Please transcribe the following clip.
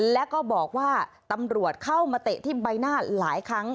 แล้วก็บอกว่าตำรวจเข้ามาเตะที่ใบหน้าหลายครั้ง